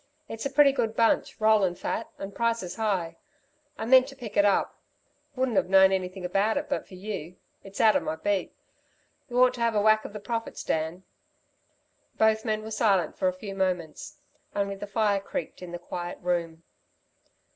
It's a pretty good bunch, rollin' fat and prices high. I mean to pick it up. Wouldn't 've known anything about it but for you it's out of my beat. You ought to have a whack of the profits, Dan." Both men were silent for a few moments. Only the fire creaked in the quiet room.